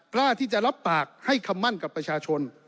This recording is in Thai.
กล้าที่จะรับปากให้คำมั่นกับประชาชน